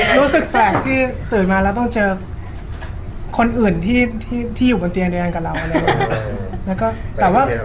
รู้สึกแปลกที่ตื่นมาแล้วต้องเจอคนอื่นที่อยู่บนเตียงเดียวกับเรา